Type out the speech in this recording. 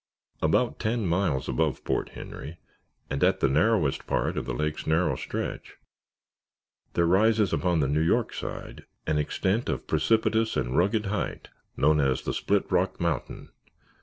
About ten miles above Port Henry, and at the narrowest part of the lake's narrow stretch, there rises upon the New York side an extent of precipitous and rugged height known as the Split Rock Mountain.